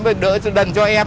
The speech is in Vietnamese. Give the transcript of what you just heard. mà đỡ cho đần cho em